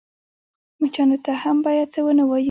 _مچانو ته هم بايد څه ونه وايو.